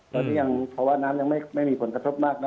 แล้วก็ยังภาวะน้ำยังไม่มีผลกระทบมากนะ